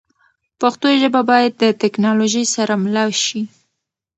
پښتو ژبه باید د ټکنالوژۍ سره مله شي.